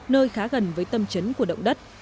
nơi khá gần với tâm trấn của động đất